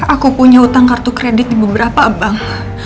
aku punya hutang kartu kredit di beberapa bank